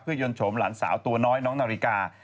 เพื่อยนชมหลานสาวตัวน้อยน้องนาวริกา